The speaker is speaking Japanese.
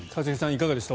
いかがでした？